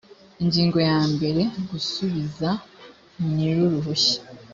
ingingo ya mbere gusubiza nyir uruhushya